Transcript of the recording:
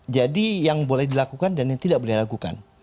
jadi yang boleh dilakukan dan yang tidak boleh dilakukan